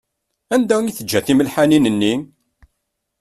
Anda i teǧǧa timelḥanin-nni?